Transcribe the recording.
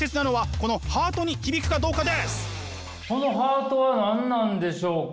このハートは何なんでしょうか？